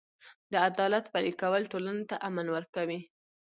د عدالت پلي کول ټولنې ته امن ورکوي.